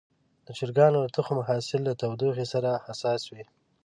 د چرګانو د تخم حاصل له تودوخې سره حساس وي.